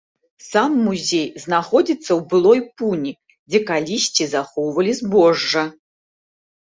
Сам музей знаходзіцца ў былой пуні, дзе калісьці захоўвалі збожжа.